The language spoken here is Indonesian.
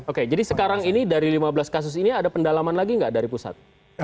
oke jadi sekarang ini dari lima belas kasus ini ada pendalaman lagi nggak dari pusat